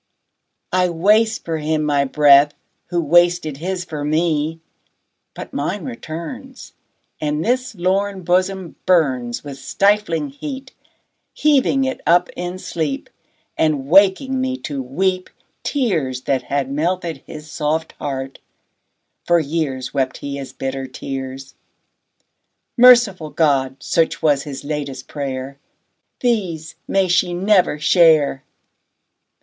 I waste for him my breath Who wasted his for me; but mine returns, And this lorn bosom burns With stifling heat, heaving it up in sleep, 15 And waking me to weep Tears that had melted his soft heart: for years Wept he as bitter tears. 'Merciful God!' such was his latest prayer, 'These may she never share!